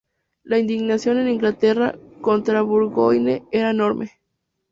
La indignación en Inglaterra contra Burgoyne era enorme.